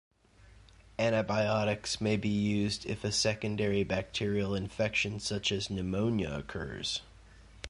Antibiotics may be used if a secondary bacterial infection such as pneumonia occurs.